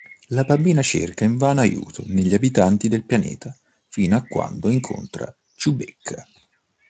La bambina cerca invano aiuto negli abitanti del pianeta fino a quando incontra Chewbecca.